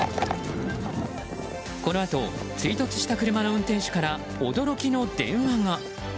このあと追突した車の運転手から驚きの電話が。